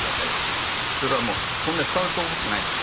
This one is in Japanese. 俺はもうこんな使うと思ってないのよ。